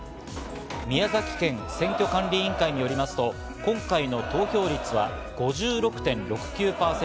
宮崎県選挙管理委員会によりますと、今回の投票率は５６．６９％。